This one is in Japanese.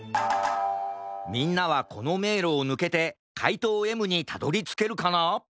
みんなはこのめいろをぬけてかいとうＭにたどりつけるかな？